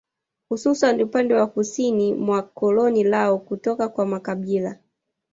Hususan upande wa kusini wa koloni lao kutoka kwa makabila